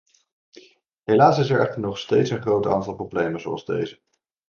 Helaas is er echter nog steeds een groot aantal problemen zoals deze.